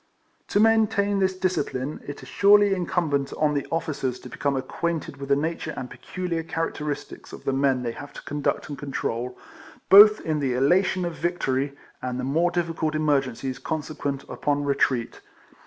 To maintain this discipline it is surely incum bent on the officers to become acquainted with the nature and peculiar characteristics of the men they have to conduct and con trol, both in the elation of victory and the more difficult emergencies consequent upon retreat.